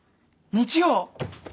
日曜？